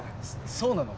そうなの？